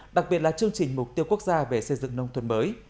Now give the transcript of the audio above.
đặc biệt là chương trình mục tiêu quốc gia về xây dựng nông thôn mới